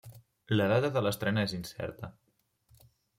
La data de l'estrena és incerta.